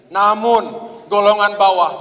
namun golongan bawah